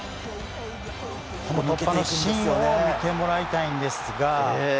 このシーンを見てもらいたいんですが。